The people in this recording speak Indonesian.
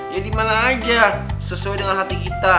ya dimana aja sesuai dengan hati kita